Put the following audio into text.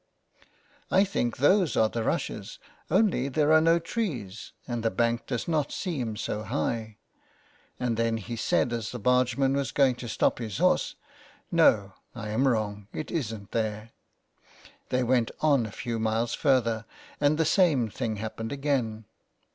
" I think those are the rushes, only there are no trees, and the bank does not seem so high." And then he said as the bargeman was going to stop his horse, " No, I am wrong. It isn't there." They went on a few miles further, and the same thing happened again.